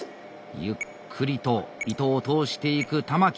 ゆっくりと糸を通していく玉木。